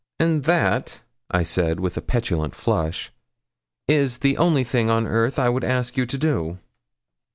'And that,' I said, with a petulant flush, 'is the only thing on earth I would ask you to do.'